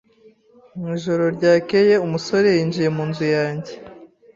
Mu ijoro ryakeye, umusore yinjiye mu nzu yanjye.